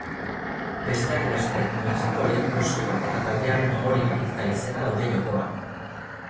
Besteak beste, multzoko lehen postua eta taldearen ohorea eta izena daude jokoan.